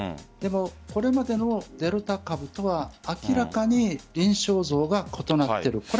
でも、これまでのデルタ株とは明らかに臨床像が異なっている。